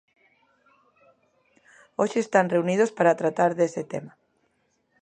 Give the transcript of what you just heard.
Hoxe están reunidos para tratar dese tema.